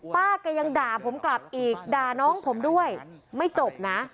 ป้าแกยังด่าผมกลับอีกด่าน้องผมด้วยไม่จบนะ